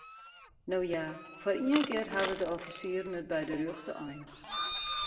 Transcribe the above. No ja, foar ien kear hawwe de offisieren it by de rjochte ein.